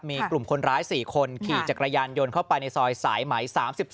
มีกลุ่มคนร้าย๔คนขี่จักรยานยนต์เข้าไปในซอยสายไหม๓๒